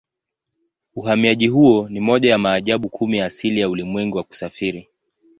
Uhamiaji huo ni moja ya maajabu kumi ya asili ya ulimwengu ya kusafiri.